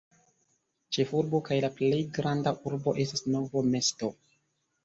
Ĉefurbo kaj la plej granda urbo estas Novo mesto.